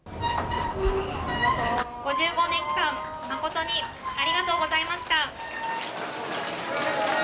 ５５年間誠にありがとうございました。